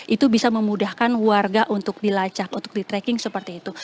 itu bisa memudahkan warga untuk dilacak untuk di tracking seperti itu